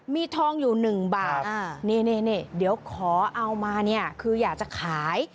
มีทองอยู่๑บาทนี่เดี๋ยวขอเอามาเนี่ยคืออยากจะขาย